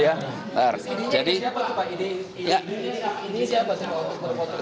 ini siapa yang bawa foto